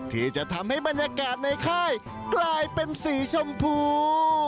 ที่จะทำให้บรรยากาศในค่ายกลายเป็นสีชมพู